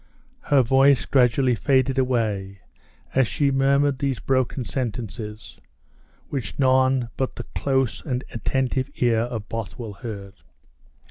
Her voice gradually faded away as she murmured these broken sentences, which none but the close and attentive ear of Bothwell heard.